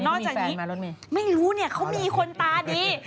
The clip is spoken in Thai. จากนี้ไม่รู้เนี่ยเขามีคนตาดี